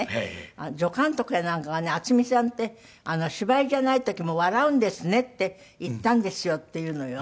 「助監督やなんかがね渥美さんって芝居じゃない時も笑うんですねって言ったんですよ」って言うのよ。